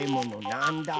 なんだ？